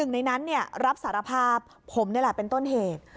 ในนั้นรับสารภาพผมนี่แหละเป็นต้นเหตุ